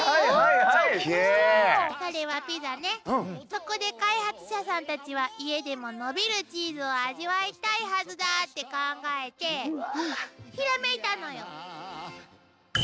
そこで開発者さんたちは家でものびるチーズを味わいたいはずだって考えてひらめいたのよ。